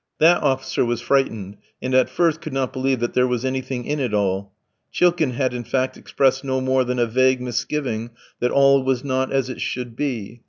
That officer was frightened, and at first could not believe there was anything in it all. Chilkin had, in fact, expressed no more than a vague misgiving that all was not as it should be.